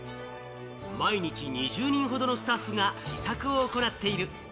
毎日２０人ほどのスタッフが試作を行っている。